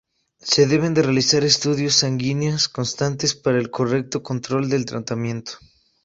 Se deben de realizar estudios sanguíneos constantes para el correcto control del tratamiento.